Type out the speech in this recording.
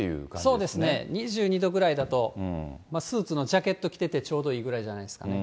そうですね、２２度ぐらいだと、スーツのジャケット着てて、ちょうどいいぐらいじゃないですかね。